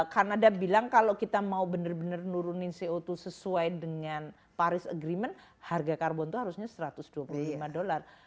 karena dia bilang kalau kita mau benar benar nurunin co dua sesuai dengan paris agreement harga karbon itu harusnya satu ratus dua puluh lima dolar